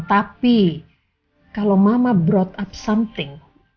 tapi kalau mama broad up something